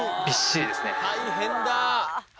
大変だ！